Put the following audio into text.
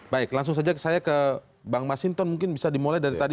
baik langsung saja saya ke bang masinton mungkin bisa dimulai dari tadi